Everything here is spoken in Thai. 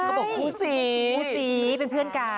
บอกคู่สีคู่สีเป็นเพื่อนกัน